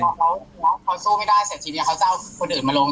พอเขาสู้ไม่ได้เสร็จทีนี้เขาจะเอาคนอื่นมาลง